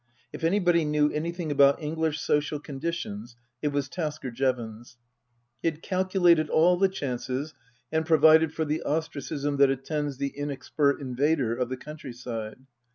If anybody knew anything about English social conditions it was Tasker Jevons. He had calculated all the chances and provided for the ostracism that attends the inexpert invader of the country side.